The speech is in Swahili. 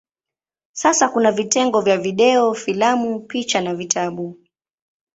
Sasa kuna vitengo vya video, filamu, picha na vitabu.